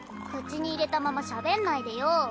口に入れたまましゃべんないでよ。